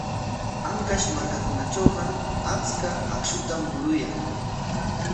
Ancash markakunatrawqa achka akshutam muruyan.